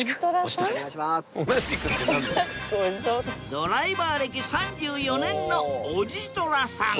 ドライバー歴３４年のおじとらさん。